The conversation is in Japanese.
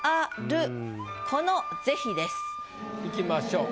いきましょう。